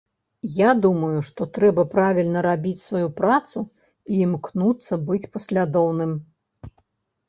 Я думаю, што трэба правільна рабіць сваю працу і імкнуцца быць паслядоўным.